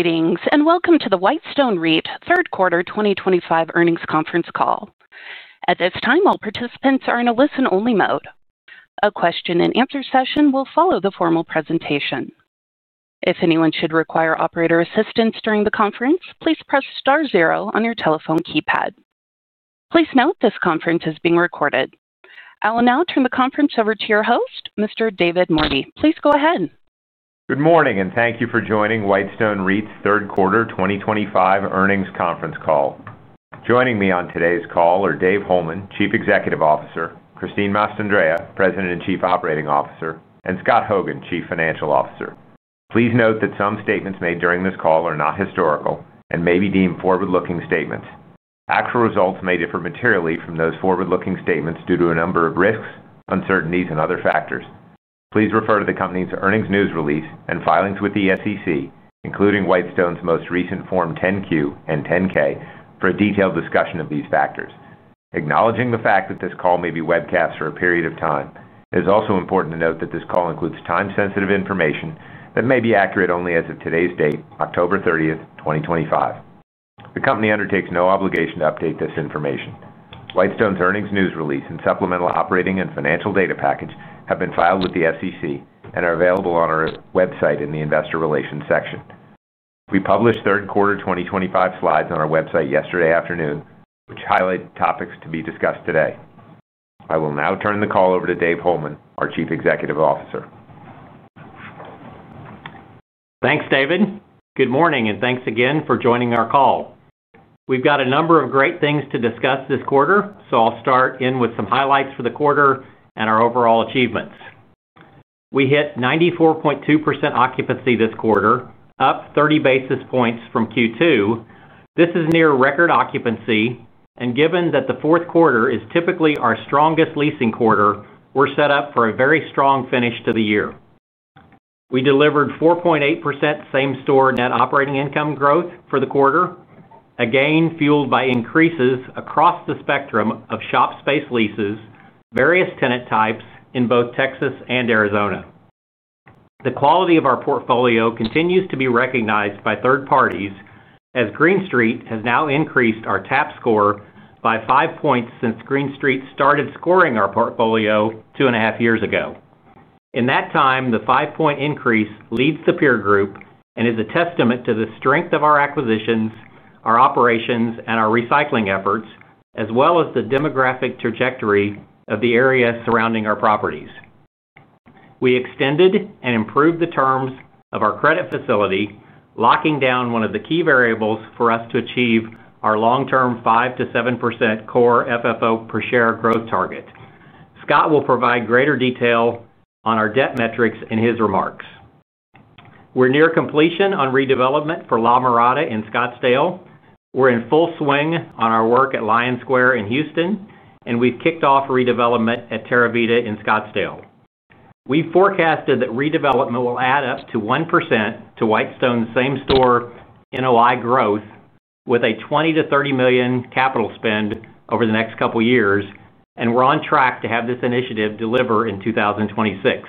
Greetings and welcome to the Whitestone REIT Third Quarter 2025 Earnings Conference Call. At this time, all participants are in a listen-only mode. A question and answer session will follow the formal presentation. If anyone should require operator assistance during the conference, please press Star 0 on your telephone keypad. Please note this conference is being recorded. I will now turn the conference over to your host, Mr. David Mordy. Please go ahead. Good morning and thank you for joining Whitestone REIT's third quarter 2025 earnings conference call. Joining me on today's call are Dave Holeman, Chief Executive Officer, Christine Mastandrea, President and Chief Operating Officer, and Scott Hogan, Chief Financial Officer. Please note that some statements made during this call are not historical and may be deemed forward-looking statements. Actual results may differ materially from those forward-looking statements due to a number of risks, uncertainties, and other factors. Please refer to the company's earnings news release and filings with the SEC, including Whitestone's most recent Form 10-Q and 10-K, for a detailed discussion of these factors. Acknowledging the fact that this call may be webcast for a period of time, it is also important to note that this call includes time-sensitive information that may be accurate only as of today's date, October 30, 2025. The company undertakes no obligation to update this information. Whitestone's earnings news release and supplemental operating and financial data package have been filed with the SEC and are available on our website in the Investor Relations section. We published third quarter 2025 slides on our website yesterday afternoon, which highlight topics to be discussed today. I will now turn the call over to Dave Holeman, our Chief Executive Officer. Thanks David. Good morning and thanks again for joining our call. We've got a number of great things to discuss this quarter, so I'll start in with some highlights for the quarter and our overall achievements. We hit 94.2% occupancy this quarter, up 30 basis points from Q2. This is near record occupancy, and given that the fourth quarter is typically our strongest leasing quarter, we're set up for a very strong finish to the year. We delivered 4.8% same store net operating income growth for the quarter, again fueled by increases across the spectrum of shop space leases, various tenant types in both Texas and Arizona. The quality of our portfolio continues to be recognized by third parties as Green Street has now increased our TAP score by five points since Green Street started scoring our portfolio two and a half years ago. In that time, the 5 point increase leads the peer group and is a testament to the strength of our acquisitions, our operations, and our recycling efforts, as well as the demographic trajectory of the area surrounding our properties. We extended and improved the terms of our credit facility, locking down one of the key variables for us to achieve our long term 5% to 7% core FFO per share growth target. Scott will provide greater detail on our debt metrics in his remarks. We're near completion on redevelopment for La Mirada in Scottsdale, we're in full swing on our work at Lion Square in Houston, and we've kicked off redevelopment at Terravita in Scottsdale. We forecasted that redevelopment will add up to 1% to Whitestone's same store NOI growth with a $20 million to $30 million capital spend over the next couple years, and we're on track to have this initiative deliver in 2026.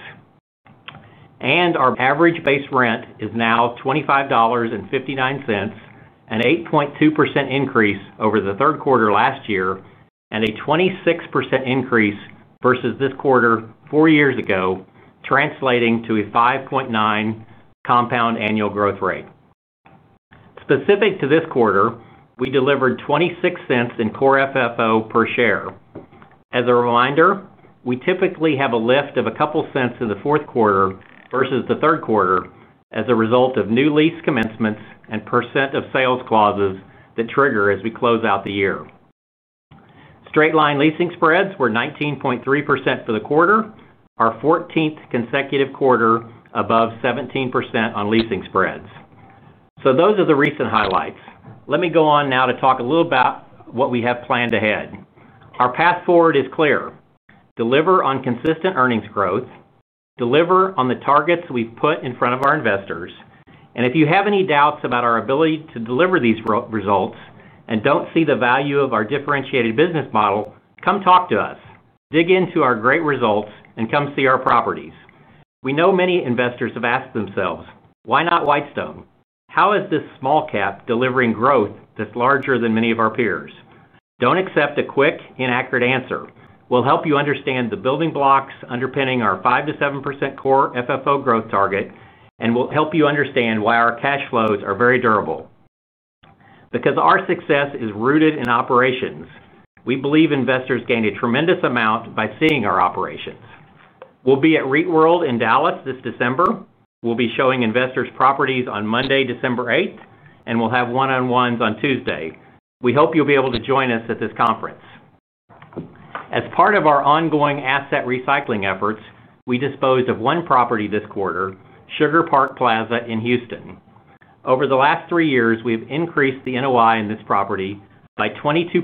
Our average base rent is now $25.59, an 8.2% increase over the third quarter last year and a 26% increase versus this quarter four years ago, translating to a 5.9% compound annual growth rate. Specific to this quarter, we delivered $0.26 in core FFO per share. As a reminder, we typically have a lift of a couple cents in the fourth quarter versus the third quarter as a result of new lease commencements and percent of sales clauses that trigger as we close out the year. Straight-line leasing spreads were 19.3% for the quarter, our 14th consecutive quarter above 17% on leasing spreads. Those are the recent highlights. Let me go on now to talk a little about what we have planned ahead. Our path forward is clear. Deliver on consistent earnings growth. Deliver on the targets we put in front of our investors. If you have any doubts about our ability to deliver these results and don't see the value of our differentiated business model, come talk to us. Dig into our great results and come see our properties. We know many investors have asked themselves, why not Whitestone? How is this small cap delivering growth that's larger than many of our peers? Don't accept a quick, inaccurate answer. We'll help you understand the building blocks underpinning our 5% to 7% core FFO growth target and will help you understand why our cash flows are very durable because our success is rooted in operations. We believe investors gain a tremendous amount by seeing our operations. We'll be at REIT World in Dallas this December. We'll be showing investors properties on Monday, December 8 and we'll have one on ones on Tuesday. We hope you'll be able to join us at this conference. As part of our ongoing asset recycling efforts. We disposed of one property this quarter, Sugar Park Plaza in Houston. Over the last three years we have increased the NOI in this property by 22%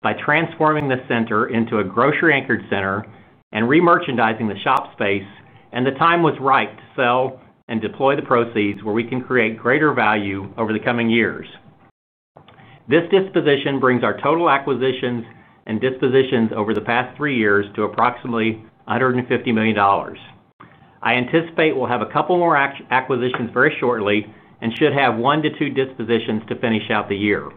by transforming the center into a grocery anchored center and remerchandising the shop space and the time was right to sell and deploy the proceeds where we can create greater value over the coming years. This disposition brings our total acquisitions and dispositions over the past three years to approximately $150 million. I anticipate we'll have a couple more acquisitions very shortly and should have one to two dispositions to finish out the year.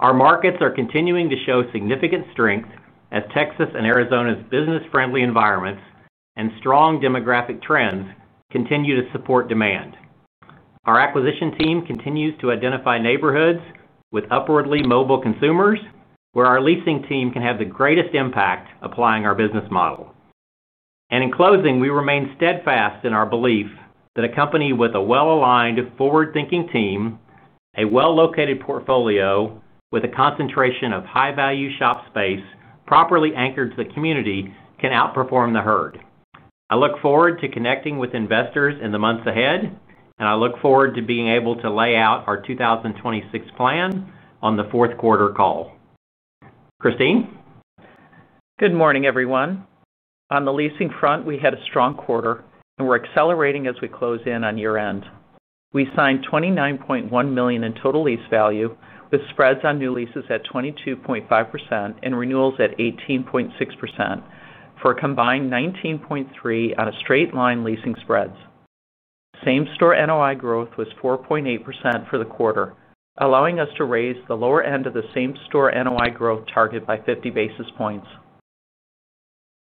Our markets are continuing to show significant strength as Texas and Arizona's business friendly environments and strong demographic trends continue to support demand. Our acquisition team continues to identify neighborhoods with upwardly mobile consumers where our leasing team can have the greatest impact applying our business model. In closing, we remain steadfast in our belief that a company with a well aligned forward thinking team, a well located portfolio with a concentration of high value shop space properly anchored to the community, can outperform the herd. I look forward to connecting with investors in the months ahead and I look forward to being able to lay out our 2026 plan on the fourth quarter call. Christine? Good morning everyone. On the leasing front, we had a strong quarter and we're accelerating as we close in on year end. We signed $29.1 million in total lease value with spreads on new leases at 22.5% and renewals at 18.6% for a combined 19.3% on straight-line leasing spreads. Same store NOI growth was 4.8% for the quarter, allowing us to raise the lower end of the same store NOI growth target by 50 basis points.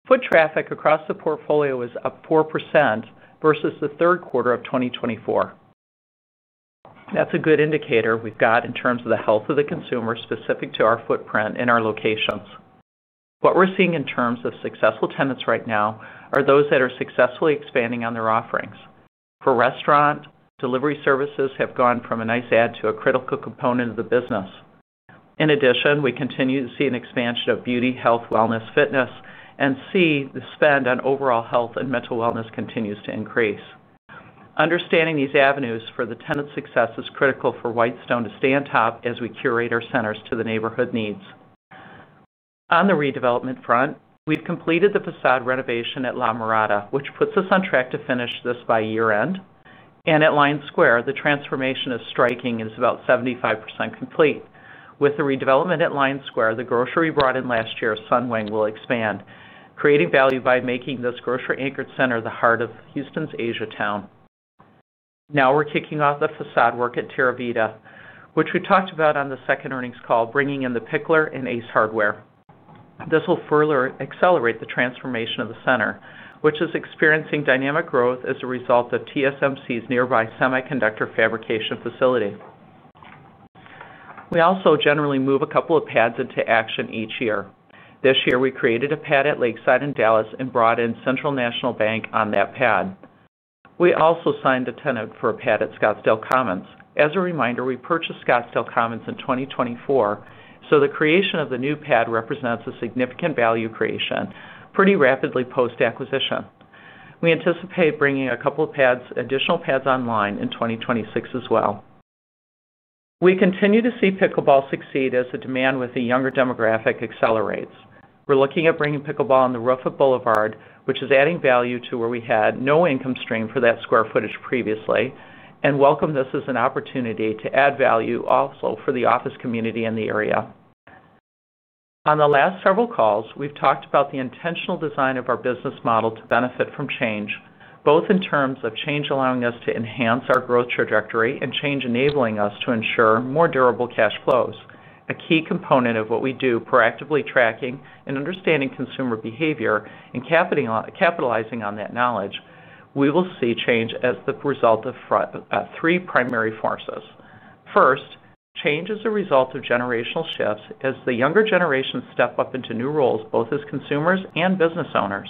Foot traffic across the portfolio is up 4% versus the third quarter of 2024. That's a good indicator we've got in terms of the health of the consumer specific to our footprint in our locations. What we're seeing in terms of successful tenants right now are those that are successfully expanding on their offerings, for restaurant delivery services have gone from a nice add to a critical component of the business. In addition, we continue to see an expansion of beauty, health, wellness, fitness, and see the spend on overall health and mental wellness continues to increase. Understanding these avenues for the tenant's success is critical for Whitestone to stay on top as we curate our centers to the neighborhood needs. On the redevelopment front, we've completed the facade renovation at La Mirada, which puts us on track to finish this by year end. At Lion Square, the transformation of striking is about 75% complete. With the redevelopment at Lion Square, the grocery brought in last year, Sunwing, will expand, creating value by making this grocery-anchored center the heart of Houston's Asiatown. Now we're kicking off the facade work at Terravita, which we talked about on the second earnings call, bringing in the Pickler and Ace Hardware. This will further accelerate the transformation of the center, which is experiencing dynamic growth as a result of TSMC's nearby semiconductor fabrication facility. We also generally move a couple of pads into action each year. This year, we created a pad at Lakeside in Dallas and brought in Central National Bank on that pad. We also signed a tenant for a pad at Scottsdale Commons. As a reminder, we purchased Scottsdale Commons in 2024, so the creation of the new pad represents a significant value creation pretty rapidly post acquisition. We anticipate bringing a couple of additional pads online in 2026 as well. We continue to see pickleball succeed as the demand with the younger demographic accelerates. We're looking at bringing pickleball on the roof of Boulevard, which is adding value to where we had no income stream for that square footage previously, and welcome this as an opportunity to add value also for the office community in the area. On the last several calls, we've talked about the intentional design of our business model to benefit from change, both in terms of change allowing us to enhance our growth trajectory and change enabling us to ensure more durable cash flows, a key component of what we do. Proactively tracking and understanding consumer behavior and capitalizing on that knowledge. We will see change as the result of three primary forces. First, change is a result of generational shifts as the younger generations step up into new roles both as consumers and business owners.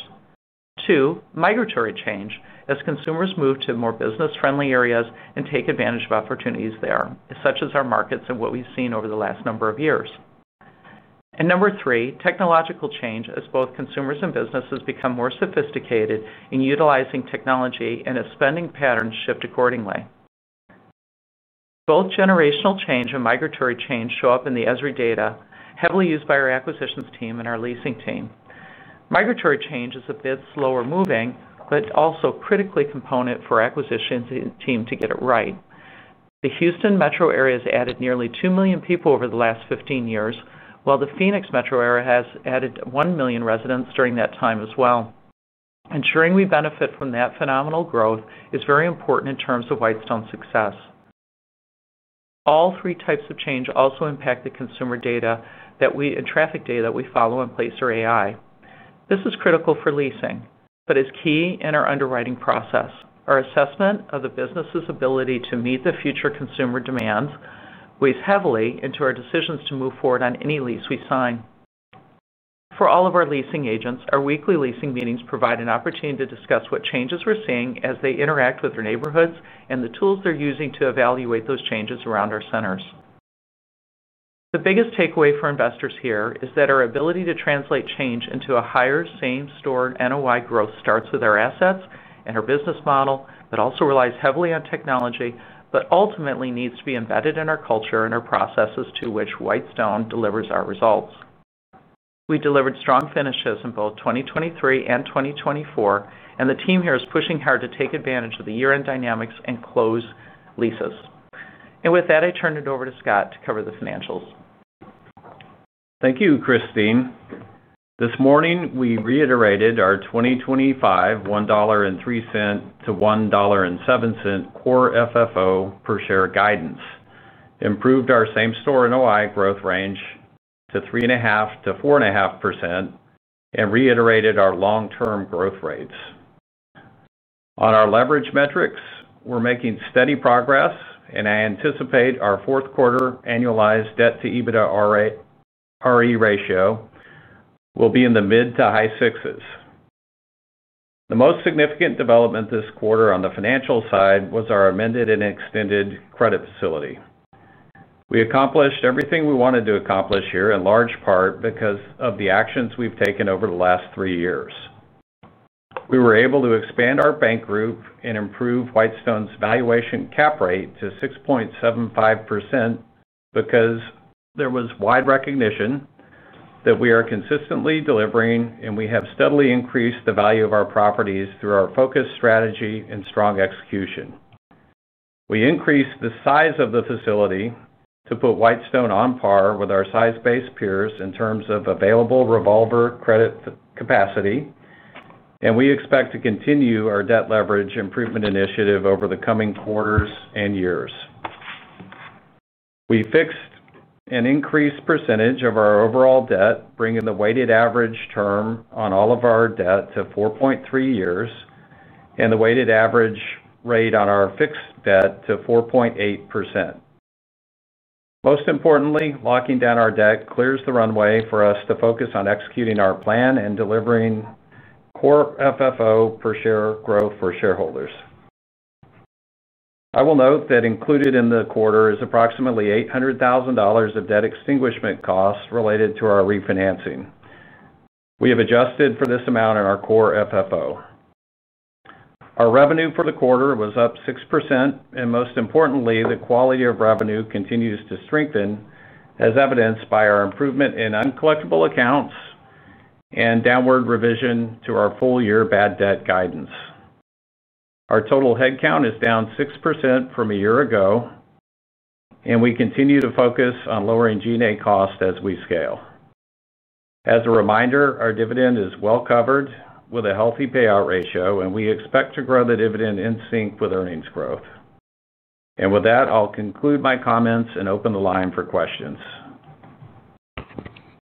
Two, migratory change as consumers move to more business-friendly areas and take advantage of opportunities there, such as our markets and what we've seen over the last number of years, and number three, technological change as both consumers and businesses become more sophisticated in utilizing technology and as spending patterns shift accordingly. Both generational change and migratory change show up in the ESRI data heavily used by our acquisitions team and our leasing team. Migratory change is a bit slower moving but also a critical component for the acquisitions team to get it right. The Houston metro area has added nearly 2 million people over the last 15 years, while the Phoenix metro area has added 1 million residents during that time as well. Ensuring we benefit from that phenomenal growth is very important in terms of Whitestone success. All three types of change also impact the consumer data and traffic data that we follow in Placer.ai. This is critical for leasing but is key in our underwriting process. Our assessment of the business's ability to meet the future consumer demands weighs heavily into our decisions to move forward on any lease we sign. For all of our leasing agents, our weekly leasing meetings provide an opportunity to discuss what changes we're seeing as they interact with their neighborhoods and the tools they're using to evaluate those changes around our centers. The biggest takeaway for investors here is that our ability to translate change into a higher same store NOI growth starts with our assets and our business model, but also relies heavily on technology, but ultimately needs to be embedded in our culture and our processes to which Whitestone delivers our results. We delivered strong finishes in both 2023 and 2024, and the team here is pushing hard to take advantage of the year end dynamics and clear close leases, and with that I turn it over to Scott to cover the financials. Thank you, Christine. This morning we reiterated our 2025 $1.03 to $1.07 core FFO per share guidance, improved our same store NOI growth range to 3.5% to 4.5%, and reiterated our long term growth rates. On our leverage metrics. We're making steady progress, and I anticipate our fourth quarter annualized debt to EBITDAre ratio will be in the mid to high sixes. The most significant development this quarter on the financial side was our amended and extended credit facility. We accomplished everything we wanted to accomplish here in large part because of the actions we've taken over the last three years. We were able to expand our bank group and improve Whitestone's valuation cap rate to 6.75% because there was wide recognition that we are consistently delivering, and we have steadily increased the value of our properties through our focused strategy and strong execution. We increased the size of the facility to put Whitestone on par with our size based peers in terms of available revolver credit facility capacity, and we expect to continue our debt leverage improvement initiative over the coming quarters and years. We fixed an increased percentage of our overall debt, bringing the weighted average term on all of our debt to 4.3 years and the weighted average rate on our fixed debt to 4.8%. Most importantly, locking down our debt clears the runway for us to focus on executing our plan and delivering core FFO per share growth for shareholders. I will note that included in the quarter is approximately $800,000 of debt extinguishment costs related to our refinancing. We have adjusted for this amount in our core FFO. Our revenue for the quarter was up 6%, and most importantly, the quality of revenue continues to strengthen as evidenced by our improvement in uncollectible accounts and downward revision to our full year bad debt guidance. Our total headcount is down 6% from a year ago, and we continue to focus on lowering G&A costs as we scale. As a reminder, our dividend is well covered with a healthy payout ratio, and we expect to grow the dividend in sync with earnings growth. With that, I'll conclude my comments and open the line for questions.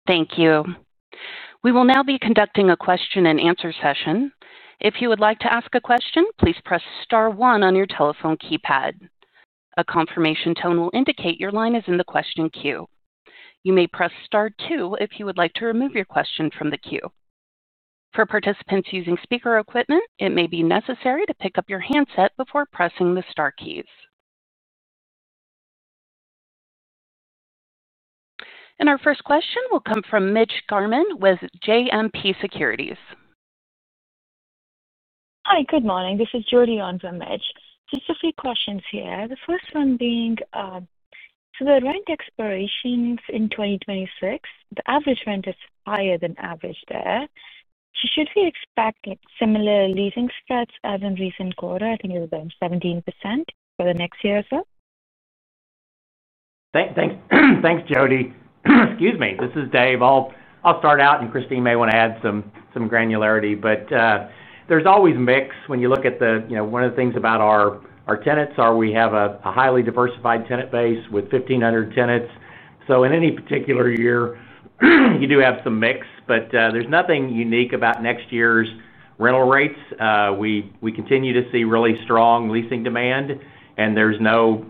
Thank you. We will now be conducting a question and answer session. If you would like to ask a question, please press star one on your telephone keypad. A confirmation tone will indicate your line is in the question queue. You may press star two if you would like to remove your question from the queue. For participants using speaker equipment, it may be necessary to pick up your handset before pressing the star keys. Our first question will come from Mitch Germain with JMP Securities. Hi, good morning. This is Jody on from Mitch. Just a few questions here. The first one being the rent expirations in 2026, the average rent is higher than average there. Should we expect similar leasing spreads as in recent quarter? I think it was 17% for the next year or so. Thanks, Jody. Excuse me, this is Dave. I'll start out and Christine may want to add some granularity, but there's always mix when you look at the. One of the things about our tenants is we have a highly diversified tenant base with 1,500 tenants. In any particular year you do have some mix, but there's nothing unique about next year's rental rates. We continue to see really strong leasing demand and there's no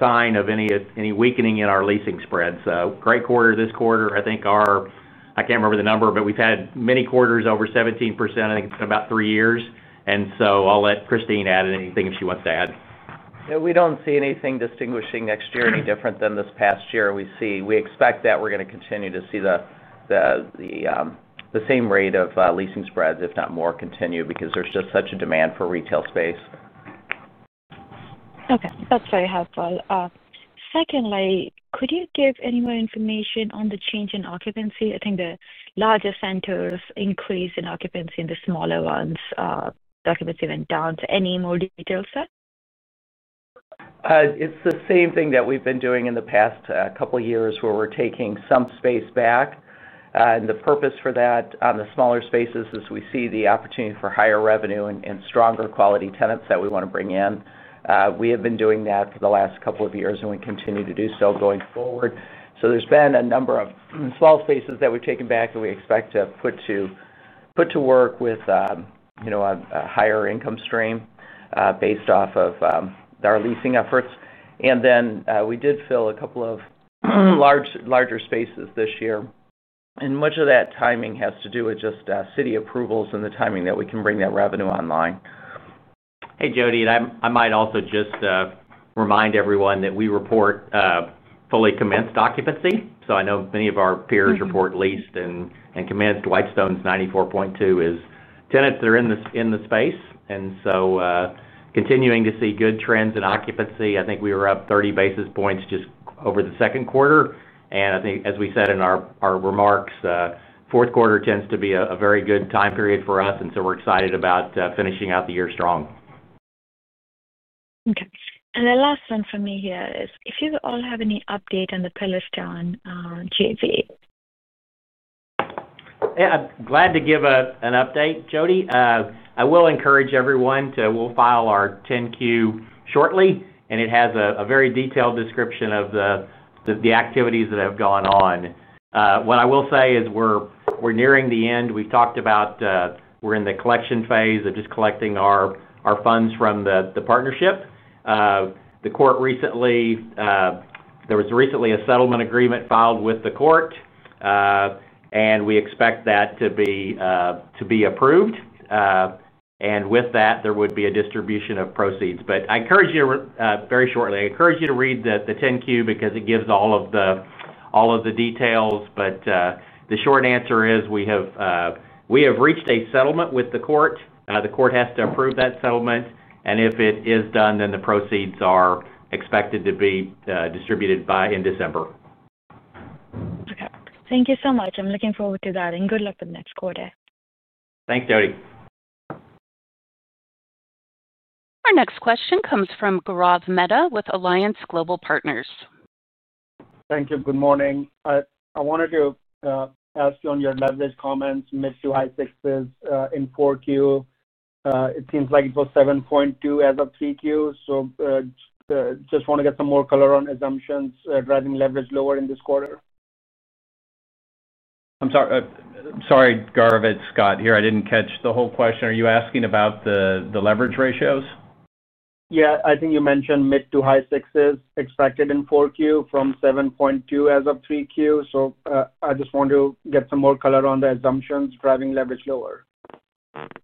sign of any weakening in our leasing spread. Great quarter this quarter. I think our, -- I can't remember the number, but we've had many quarters over 17%. I think it's been about three years. I'll let Christine add anything she wants to add. We don't see anything distinguishing next year any different than this past year. We see. We expect that we're going to continue to see the same rate of leasing spreads, if not more, continue because there's just such a demand for retail space. Okay, that's very helpful. Secondly, could you give any more information on the change in occupancy? I think the larger centers increase in occupancy. In the smaller ones, occupancy went down. Any more details, sir? It's the same thing that we've been doing in the past couple years, where we're taking some space back. The purpose for that on the smaller spaces is we see the opportunity for higher revenue and stronger quality tenants. That we want to bring in. We have been doing that for the Last couple of years, and we continue. To do so going forward. There have been a number of small spaces that we've taken back, and we expect to put to work with, you know, a higher income stream based off of our leasing efforts. We did fill a couple of larger spaces this year, and much of that timing has to do with just city approvals and the timing that we can bring that revenue online. Hey, Jody, I might also just remind everyone that we report fully commenced occupancy. I know many of our peers report leased and commenced. Whitestone's 94.2% is tenants that are in the space, and continuing to see good trends in occupancy. I think we were up 30 basis points just over the second quarter. As we said in our remarks, fourth quarter tends to be a very good time period for us. We're excited about finishing out the year strong. Okay. The last one for me here is if you all have any update on the Pillarstone JV. I'm glad to give an update, Jody. I will encourage everyone to. We'll file our 10-Q shortly and it has a very detailed description of the activities that have gone on. What I will say is we're nearing the end. We're in the collection phase of just collecting our funds from the partnership. The court recently, there was recently a settlement agreement filed with the court and we expect that to be approved. With that, there would be a distribution of proceeds. I encourage you very shortly, I encourage you to read the 10-Q because it gives all of the details. The short answer is we have reached a settlement with the court. The court has to approve that settlement and if it is done, then the proceeds are expected to be distributed by in December. Okay, thank you so much. I'm looking forward to that, and good luck with next quarter. Thanks, Jody. Our next question comes from Gaurav Mehta with Alliance Global Partners. Thank you. Good morning. I wanted to ask you on your leverage comments. Mid-to-high sixes in 4Q. It seems like it was 7.2% as of 3Q. I just want to get some more color on assumptions driving leverage lower in this quarter. Sorry, Gaurav, it's Scott here. I didn't catch the whole question. Are you asking about the leverage ratios? Yeah. I think you mentioned mid to high 6% expected in 4Q from 7.2% as of 3Q. I just want to get some more color on the assumptions driving leverage lower.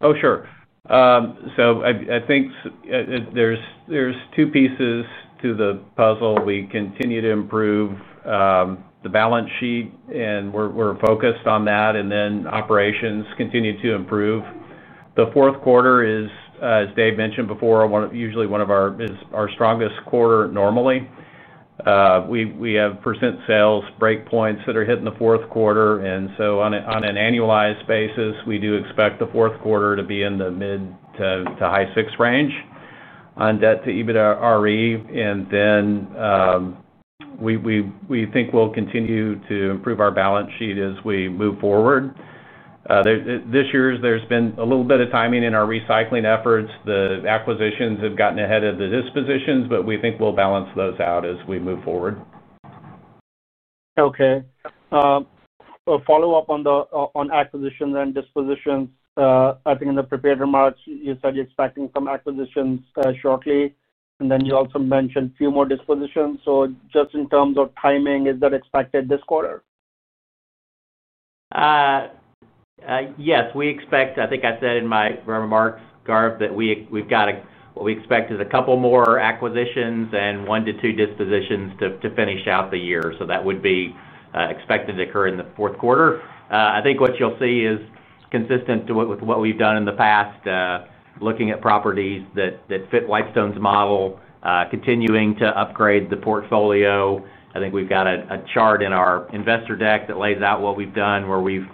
Oh, sure. I think there's two pieces to the puzzle. We continue to improve the balance sheet and we're focused on that. Operations continue to improve. The fourth quarter is, as Dave mentioned before, usually our strongest quarter. Normally we have percent sales break points that are hit in the fourth quarter. On an annualized basis, we do expect the fourth quarter to be in the mid to high 6% range on debt to EBITDAre. We think we'll continue to improve our balance sheet as we move forward this year. There's been a little bit of timing in our recycling efforts. The acquisitions have gotten ahead of the dispositions, but we think we'll balance those out as we move forward. Okay. Follow up on acquisitions and dispositions. I think in the prepared remarks you said you're expecting some acquisitions shortly and then you also mentioned a few more dispositions. Just in terms of timing, is that expected this quarter? Yes, we expect. I think I said in my remarks, Gaurav, that we've got what we expect is a couple more acquisitions and one to two dispositions to finish out the year. That would be expected to occur in the fourth quarter. I think what you'll see is consistent with what we've done in the past, looking at properties that fit Whitestone's model, continuing to upgrade the portfolio. I think we've got a chart in our investor deck that lays out what we've done, where we've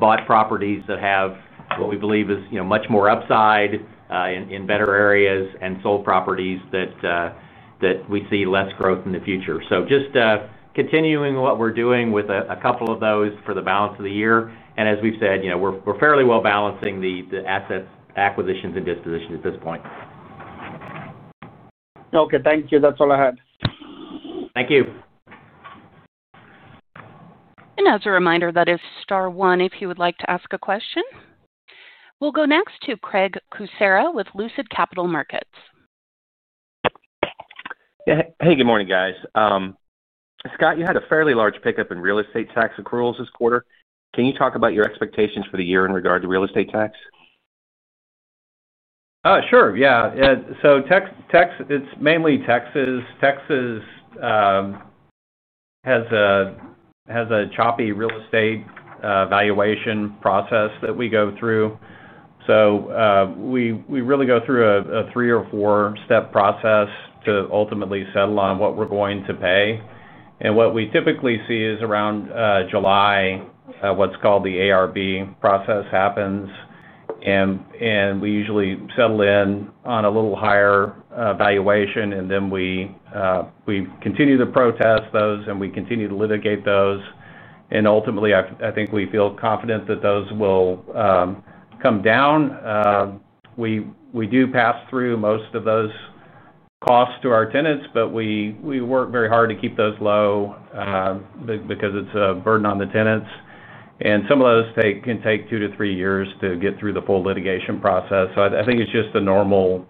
bought properties that have what we believe is much more upside in better areas and sold properties that we see less growth in the future. Just continuing what we're doing with a couple of those for the balance of the year. As we've said, we're fairly well balancing the assets, acquisitions and dispositions at this point. Okay, thank you. That's all I had. Thank you. As a reminder, that is Star One. If you would like to ask a question, we'll go next to Craig Kucera with Lucid Capital Markets. Hey, good morning, guys. Scott, you had a fairly large pickup. In real estate tax accruals this quarter, can you talk about your expectations for the year in regard to real estate tax? Sure. Yeah. It's mainly Texas. Texas has a choppy real estate valuation. Process that we go through. We really go through a three or four step process to ultimately settle on what we're going to pay. What we typically see is around July, what's called the ARB process happens, and we usually settle in on a little higher valuation. We continue to protest those and we continue to litigate those. Ultimately, I think we feel confident that those will come down. We do pass through most of those costs to our tenants, but we work very hard to keep those low because it's a burden on the tenants. Some of those can take two to three years to get through the full litigation process. I think it's just a normal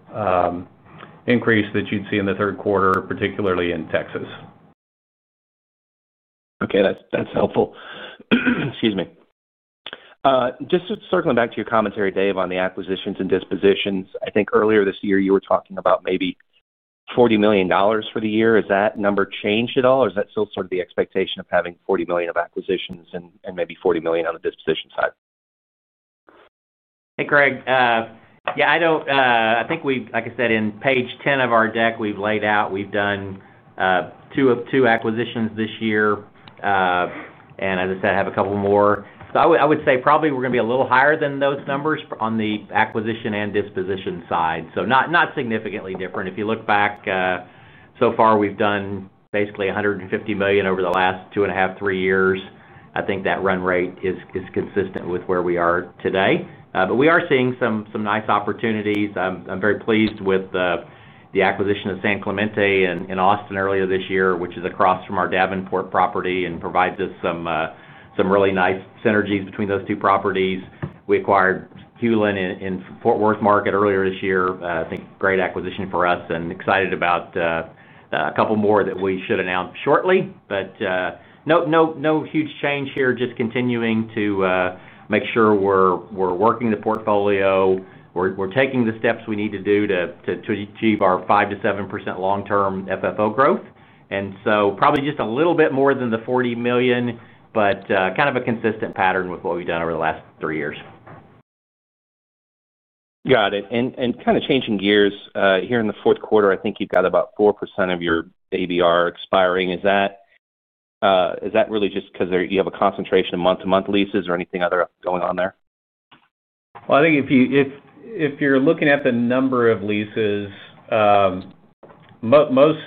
increase that you'd see in the third quarter, particularly in Texas. Okay, that's helpful. Excuse me. Just circling back to your commentary, Dave. On the acquisitions and dispositions, I think earlier this year you were talking about maybe $40 million for the year. Has that number changed at all? Is that still sort of the. Expectation of having $40 million of acquisitions and maybe $40 million on the disposition side? Hey, Craig. Yeah, I don't, -- I think we, like I said in page 10 of our deck, we've laid out, we've done two acquisitions this year and as I said, I have a couple more. I would say probably we're going to be a little higher than those numbers on the acquisition and disposition side, not significantly different. If you look back so far, we've done basically $150 million over the last two and a half, three years. I think that run rate is consistent with where we are today, but we are seeing some nice opportunities. I'm very pleased with the acquisition of San Clemente in Austin earlier this year, which is across from our Davenport property and provides us some really nice synergies between those two properties. We acquired Hulen in Fort Worth Market earlier this year, I think. Great acquisition for us and excited about a couple more that we should announce shortly, no huge change here. Just continuing to make sure we're working the portfolio, we're taking the steps we need to do to achieve our 5% to 7% long term FFO growth. Probably just a little bit more than the $40 million, but kind of a consistent pattern with what we've done over the last three years. Got it. Kind of changing gears here in the fourth quarter. I think you've got about 4% of your ABR expiring. Is that really just because you have a concentration of month to month leases or anything other going on there? I think if you're looking at the number of leases. Most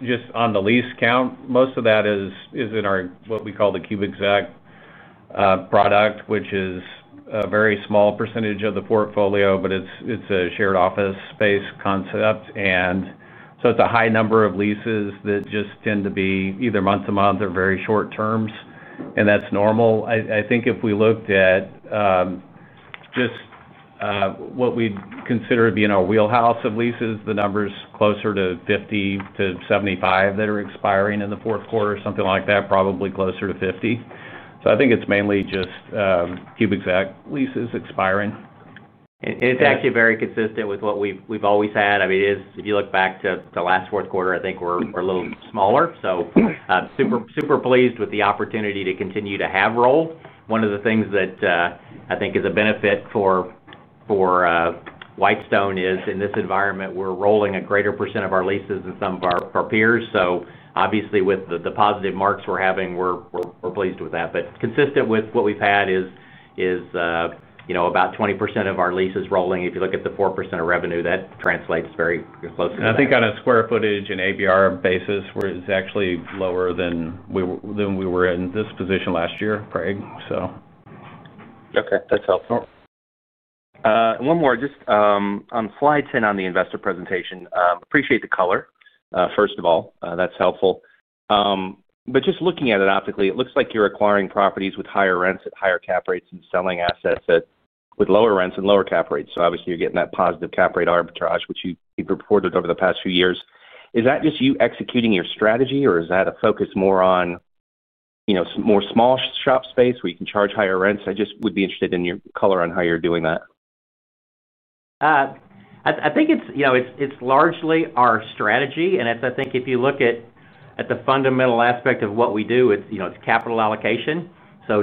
just on. The lease count, most of that is in our, what we call the CUBExec product, which is a very small percentage of the portfolio, but it's a shared office space concept. It's a high number of leases that just tend to be either month to month or very short terms, and that's normal. I think if we looked at just what we consider being our wheelhouse of leases, the number's closer to 50% to 75% that are expiring in the fourth quarter, something like that, probably closer to 50%. I think it's mainly just CUBExec leases expiring. It's actually very consistent with what we've always had. I mean, if you look back to the last fourth quarter, I think we're a little smaller. Super pleased with the opportunity to continue to have roll. One of the things that I think is a benefit for Whitestone is in this environment, we're rolling a greater percent of our leases than some of our peers. Obviously with the positive marks we're having, we're pleased with that. Consistent with what we've had is about 20% of our leases rolling. If you look at the 4% of revenue, that translates very closely, I think. On a square footage and ABR basis, where it's actually lower than we were in this position last year. Craig. Okay, that's helpful. One more just on slide 10 on the investor presentation. Appreciate the color, first of all. That's helpful. Just looking at it optically, it looks like you're acquiring properties with higher rents at higher cap rates and selling assets with lower rents and lower cap rates. Obviously you're getting that positive cap. Rate arbitrage, which you reported over the past few years. Is that just you executing your strategy, or is that a focus more on, you know, more small shop space? You can charge higher rents? I just would be interested in your color on how you're doing that. I think it's largely our strategy and it's, I think if you look at the fundamental aspect of what we do, it's capital allocation.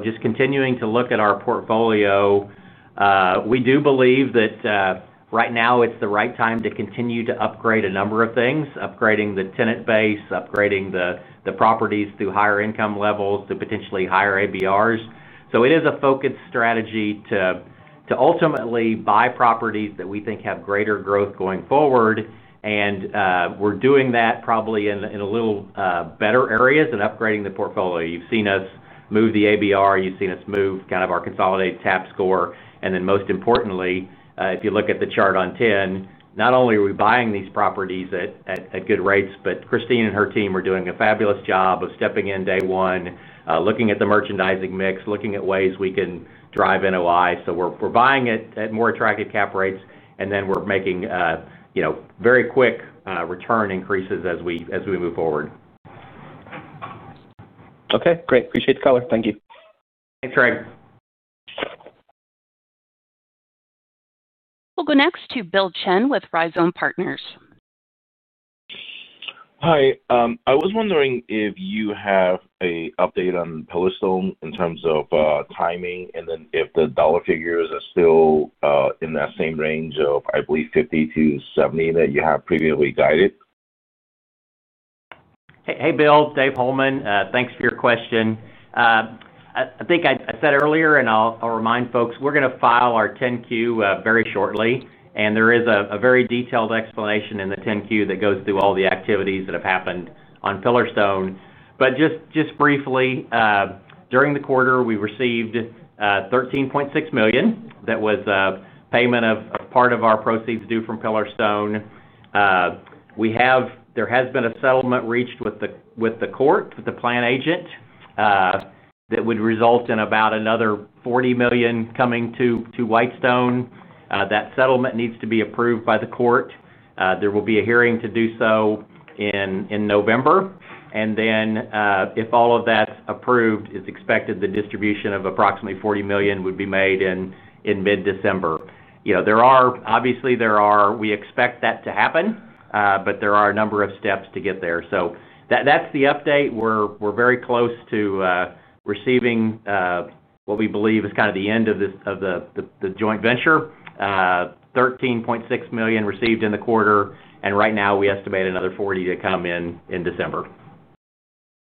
Just continuing to look at our portfolio, we do believe that right now it's the right time to continue to upgrade a number of things: upgrading the tenant base, upgrading the properties through higher income levels to potentially higher ABRs. It is a focused strategy to ultimately buy properties that we think have greater growth going forward. We're doing that probably in a little better areas and upgrading the portfolio. You've seen us move the ABR, you've seen us move kind of our consolidated TAP score, and most importantly, if you look at the chart on TAP, not only are we buying these properties at good rates, but Christine and her team are doing a fabulous job of stepping in day one, looking at the merchandising mix, looking at ways we can drive NOI. We're buying it at more attractive cap rates, and we're making very quick return increases as we move forward. Okay, great. Appreciate the color. Thank you. Thanks, Craig. We'll go next to Bill Chen with Rhizome Partners. Hi. I was wondering if you have an update on Pillarstone in terms of timing and then if the dollar figures are. Still in that same range of, I believe, $50 million to $70 million that you have previously guided. Hey, Bill. Dave Holeman, thanks for your question. I think I said earlier, and I'll remind folks, we're going to file our 10-Q very shortly. There is a very detailed explanation in the 10-Q that goes through all the activities that have happened on Pillarstone. Just briefly, during the quarter, we received $13.6 million. That was payment of part of our proceeds due from Pillarstone. There has been a settlement reached with the court, with the plan agent that would result in about another $40 million coming to Whitestone. That settlement needs to be approved by the court. There will be a hearing to do so in November. If all of that's approved, it's expected the distribution of approximately $40 million would be made in mid-December. Obviously, we expect that to happen, but there are a number of steps to get there. That's the update. We're very close to receiving what we believe is kind of the end of the joint venture. $13.6 million received in the quarter, and right now we estimate another $40 million to come in December.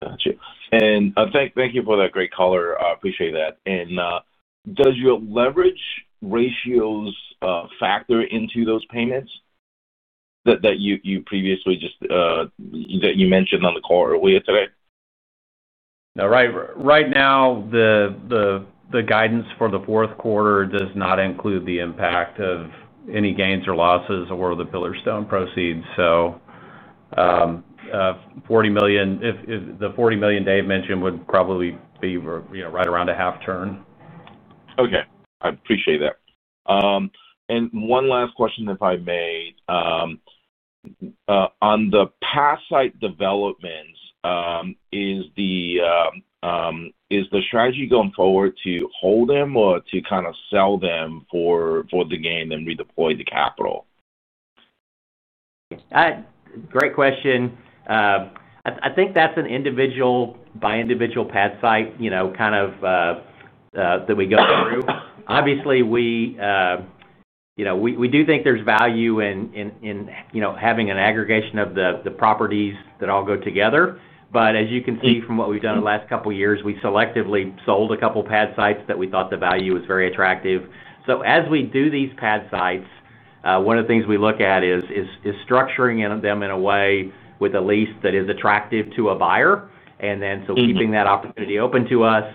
Got it. Thank you for that great color. Appreciate that. Does your leverage ratios factor into those payments that you previously mentioned on the call earlier today? Right now, the guidance for the fourth quarter does not include the impact of any gains or losses or the Pillarstone proceeds. So. $40 million. -- The $40 million Dave mentioned would probably be right around a half turn. Okay, I appreciate that. One last question, if I may, on the site developments. Is the strategy going forward to hold them or to kind of sell them? For the gain and redeploy the capital? Great question. I think that's an individual by individual pad site that we go through. Obviously, we do think there's value in having an aggregation of the properties that all go together. As you can see from what we've done in the last couple years, we selectively sold a couple pad sites that we thought the value was very attractive. As we do these pad sites, one of the things we look at is structuring them in a way with a lease that is attractive to a buyer and keeping that opportunity open to us.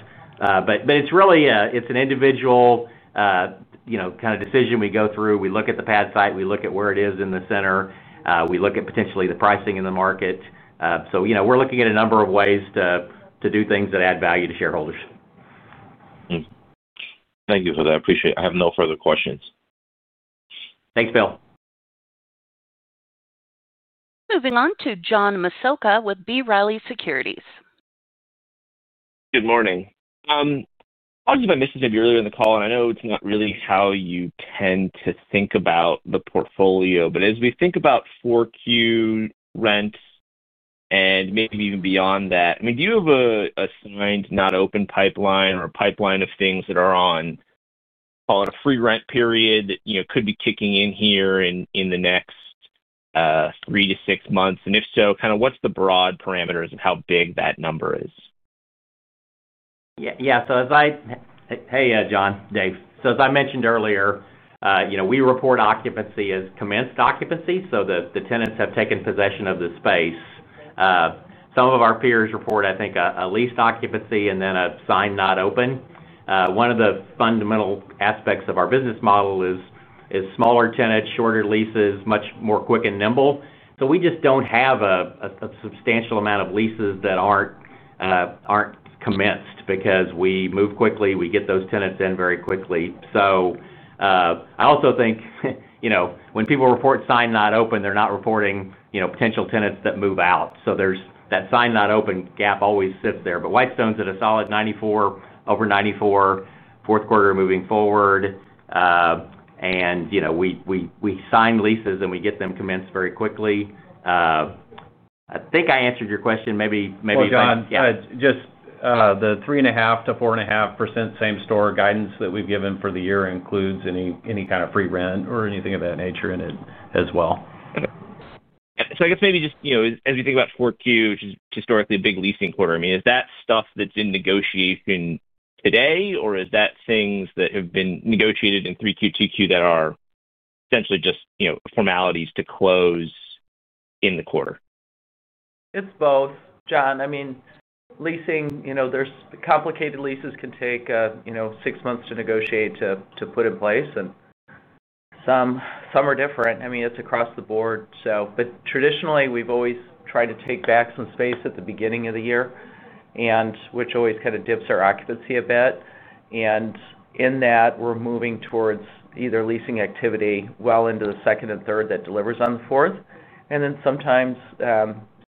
It's really an individual decision we go through. We look at the pad site, we look at where it is in the center, we look at potentially the pricing in the market. We're looking at a number of ways to do things that add value to shareholders. Thank you for that. Appreciate it. I have no further questions. Thanks, Bill. Moving on to John Massocca with B. Riley Securities. Good morning. Apologies if I missed this earlier in the call. I know it's not really how you tend to think about the portfolio, but as we think about 4Q rent and maybe even beyond that, do you have a signed, not open pipeline or a pipeline of things that are on, call it a free rent period that could be kicking in here in the next three to six months, and if so, what's the broad parameters of how big that number is? Yeah. Hey, John. Dave. As I mentioned earlier, we report occupancy as commenced occupancy so that the tenants have taken possession of the space. Some of our peers report, I think, a leased occupancy and then a sign not open. One of the fundamental aspects of our business model is smaller tenants, shorter leases, much more quick and nimble. We just don't have a substantial amount of leases that aren't commenced because we move quickly. We get those tenants in very quickly. I also think when people report sign not open, they're not reporting potential tenants that move out. There's that sign not open gap that always sits there. Whitestone's at a solid 94%, -- over 94%, fourth quarter moving forward. We sign leases and we get them commenced very quickly. I think I answered your question maybe. John, just the 3.5% to 4.5% same store guidance that we've given for the year includes any kind of free rent or anything of that nature in it as well. I guess maybe just as we think about 4Q, which is historically a big leasing quarter, is that stuff that's in negotiation today, or is that things that have been negotiated in 3Q or 2Q that are essentially just formalities to close in the quarter? It's both, John. I mean, leasing complicated leases can take six months to negotiate, to put in place. And. Some are different. I mean, it's across the board. Traditionally, we've always tried to take back some space at the beginning of the year, which always kind of dips. Our occupancy a bit. We are moving towards either leasing activity well into the second and third. That delivers on the fourth, and then sometimes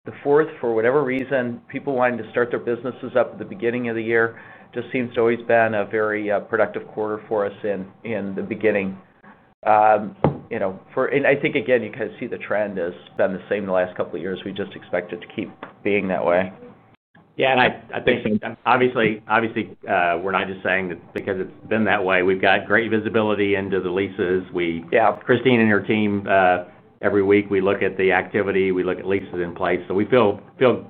the fourth. For whatever reason, people wanting to start their businesses up at the beginning of the year just seems to always been a very productive quarter for us in the beginning. I think again, you kind of see the trend has been the same the last couple of years. We just expect it to keep being that way. Yeah. I think obviously we're not just saying that because it's been that way. We've got great visibility into the leases. Christine and her team, every week we look at the activity, we look at leases in place. We feel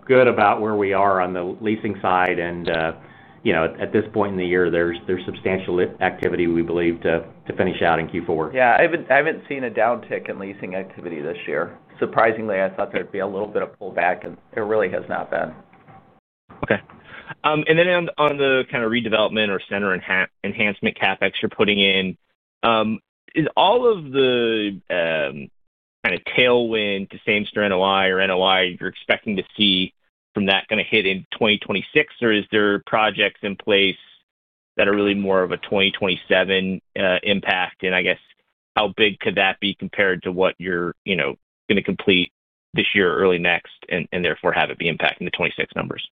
good about where we are on the leasing side. At this point in the year, there's substantial activity we believe to finish out in Q4. I haven't seen a downtick in leasing activity this year, surprisingly. I thought there'd be a little bit. Of pullback, it really has not been Okay. On the kind of redevelopment or center enhancement CapEx you're putting in, is all of the tailwind to same store NOI or NOI you're expecting to see from that going to hit in 2026, or are there projects in place that are really more of a 2027 impact? How big could that be compared to what you're going to complete this year or early next, and therefore have it be impacting the 2026 numbers?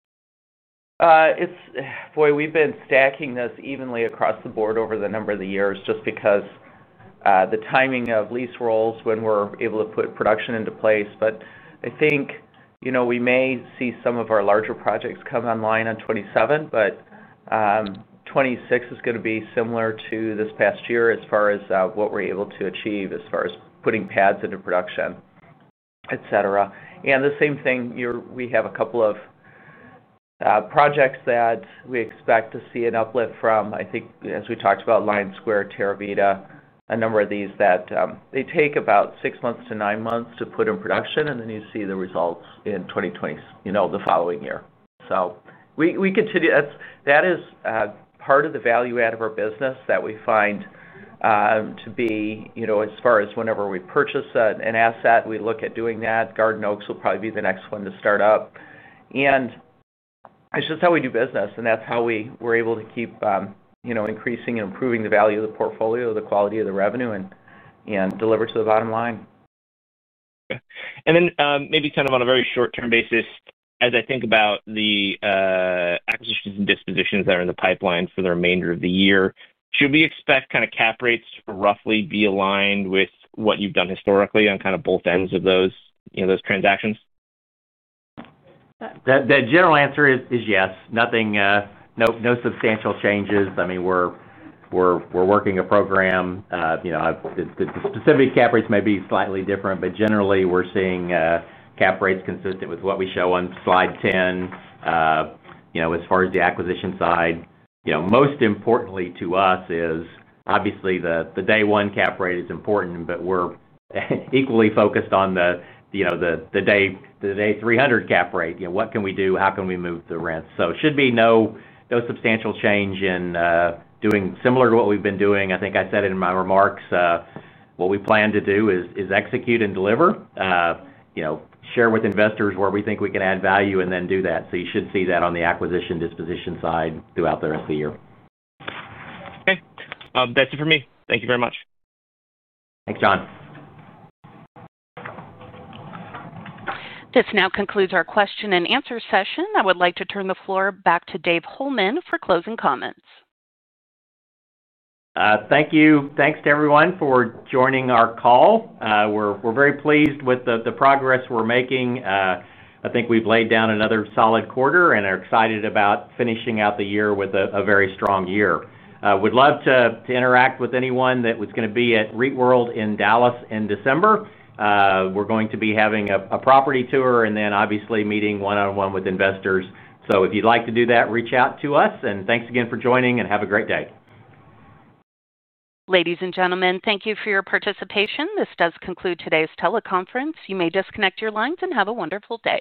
We've been stacking this evenly across the board over the number of years just because the timing of lease rolls when we're able to put production into place. I think, you know, we may see some of our larger projects come online in 2027, but 2026 is going to be similar to this past year. As far as what we're able to. Achieve as far as putting pads into production, et cetera. We have a couple of projects that we expect to see an uplift from. I think as we talked about, Lion Square, Terravita, a number of these take about six months to nine months to put in production. You see the results in 2020, the following year. We continue. That is part of the value add of our business that we find to be, as far as whenever we purchase an asset, we look at doing that. Garden Oaks will probably be the next one to start up. It is just how we do business, and that is how we were able to keep increasing and improving the value of the portfolio, the quality of the revenue, and deliver to the bottom line. Maybe on a very short term basis, as I think about the acquisitions and dispositions that are in the pipeline for the remainder of the year, should we expect cap rates to be roughly aligned with what you've done historically on both ends of those transactions? The general answer is yes. No substantial changes. We're working a program. The specific cap rates may be slightly different, but generally we're seeing cap rates consistent with what we show on slide 10. As far as the acquisition side, most importantly to us is obviously the day one cap rate is important, but we're equally focused on the day 300 cap rate. What can we do? How can we move the rents? It should be no substantial change in doing similar to what we've been doing. I think I said in my remarks, what we plan to do is execute and deliver, share with investors where we think we can add value, and then do that. You should see that on the acquisition disposition side throughout the rest of the year. Okay, that's it for me. Thank you very much. Thanks, John. This now concludes our question and answer session. I would like to turn the floor back to Dave Holeman for closing comments. Thank you. Thanks to everyone for joining our call. We're very pleased with the progress we're making. I think we've laid down another solid quarter and are excited about finishing out the year with a very strong year. We'd love to interact with anyone that was going to be at REIT World in Dallas in December. We're going to be having a property tour and obviously meeting one on one with investors. If you'd like to do that, reach out to us. Thanks again for joining and have a great day. Ladies and gentlemen, thank you for your participation. This does conclude today's teleconference. You may disconnect your lines and have a wonderful day.